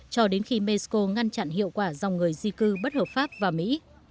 cho đến khi mexico ngăn chặn hiệu quả dòng người di cư bất hợp pháp vào mỹ